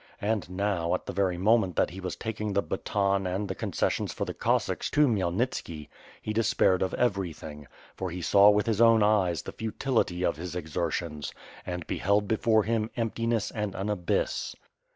And now, at the very moment that he was taking the baton and. the concessions for the Cossacks to Khmyelnitski, he de spaired of everything — ^for he saw with his own eyes the futility of his exertions, and beheld before him emptiness and an abyss.